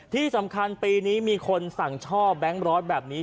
ที่สำคัญปีนี้มีคนสั่งช่อแบงค์ร้อนแบบนี้